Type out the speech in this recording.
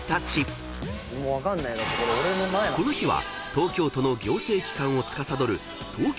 ［この日は］